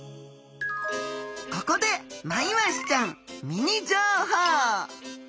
ここでマイワシちゃんミニ情報！